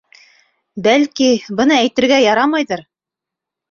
Бәлки, быны әйтергә ярамайҙыр...